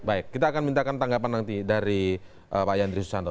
baik kita akan mintakan tanggapan nanti dari pak yandri susanto